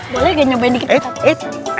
boleh gak nyobain dikit ustaz